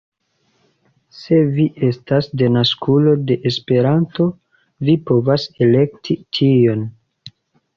Se vi estas denaskulo de Esperanto vi povas elekti tion